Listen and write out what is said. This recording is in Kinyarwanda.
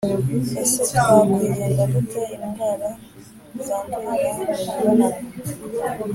Ese twakwirinda dute indwara zandurira mu mibonano